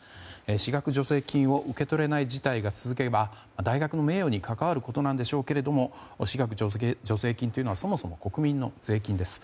私学助成金を受け取れない事態が続けば大学の名誉に関わることなんでしょうけど私学助成金というのはそもそも国民の税金です。